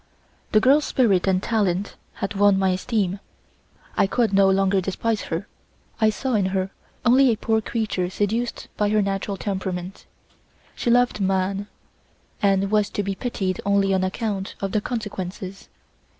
The girl's spirit and talent had won my esteem; I could no longer despise her; I saw in her only a poor creature seduced by her natural temperament. She loved man, and was to be pitied only on account of the consequences.